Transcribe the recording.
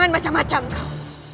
jangan macam macam kau